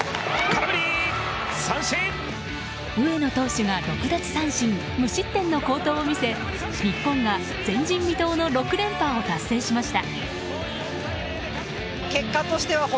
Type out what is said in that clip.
上野投手が６奪三振、無失点の好投を見せ日本が前人未到の６連覇を達成しました。